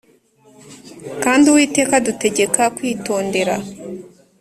Kandi Uwiteka Adutegeka Kwitondera